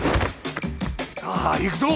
さあいくぞ！